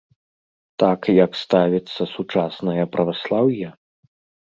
Так, як ставіцца сучаснае праваслаўе?